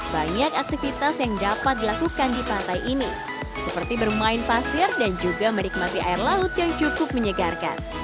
banyak aktivitas yang dapat dilakukan di pantai ini seperti bermain pasir dan juga menikmati air laut yang cukup menyegarkan